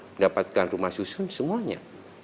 mendapatkan rumah susun semuanya